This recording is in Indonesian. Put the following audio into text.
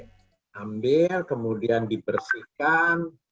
jadi madu diambil kemudian dibersihkan